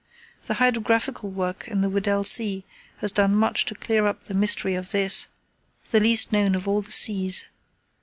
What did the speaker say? The hydrographical work in the Weddell Sea has done much to clear up the mystery of this, the least known of all the seas.